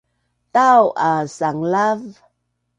tau a sanglav